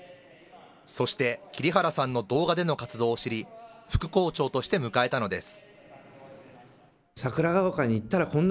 そして、桐原さんの動画での活動を知り、副校長として迎えたのです。